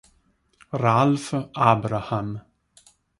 Ralph Abraham